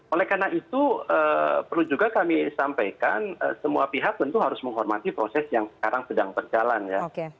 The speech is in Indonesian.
oleh karena itu perlu juga kami sampaikan semua pihak tentu harus menghormati proses yang sekarang sedang berjalan ya